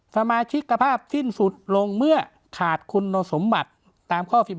สมาชิกภาพสิ้นสุดลงเมื่อขาดคุณสมบัติตามข้อ๑๑